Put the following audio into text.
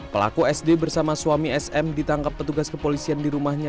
pelaku sd bersama suami sm ditangkap petugas kepolisian di rumahnya